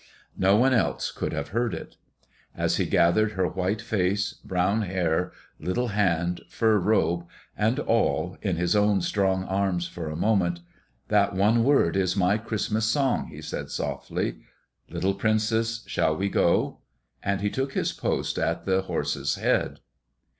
No one else could have heard it. As he gathered her white face, brown hair, little hand, fur robe, and all in his own strong arms for a moment, "That one word is my Christmas song," he said softly. "Little princess, shall we go?" And he took his post at the horse's head.